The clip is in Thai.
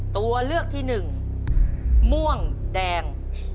ตัวเลือกที่หนึ่งม่วงแดง